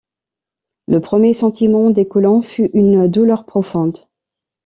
Le premier sentiment des colons fut une douleur profonde